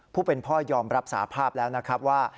ผู้เป็นพ่อยอมรับสาภาพแล้วนะครับว่า